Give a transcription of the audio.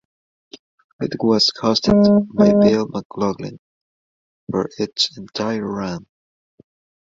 It was hosted by Bill McGlaughlin for its entire run.